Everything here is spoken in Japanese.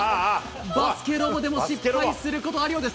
バスケロボでも失敗することあるようです。